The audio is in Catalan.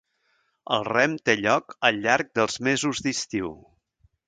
El rem té lloc al llarg dels mesos d'estiu.